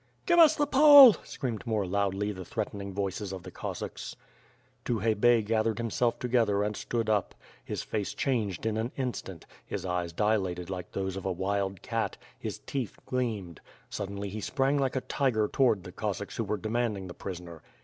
"Give us the Pole," screamed more loudly the threatening voices of the Cossacks. Tukhay Bey gathered himself together and stood up. His face changed in an instant; his eyes dilated like those of a wild cat; his teeth gleamed. Suddenly he sprang like a tiger toward the Cossacks who were demanding the prisoner.